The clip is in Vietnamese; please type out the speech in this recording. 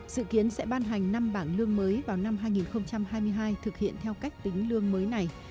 dự kiến sẽ ban hành năm bảng lương mới vào năm hai nghìn hai mươi hai thực hiện theo cách tính lương mới này